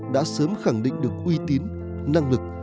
đã sớm khẳng định được uy tín năng lực